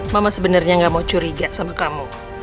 mama sebenarnya gak mau curiga sama kamu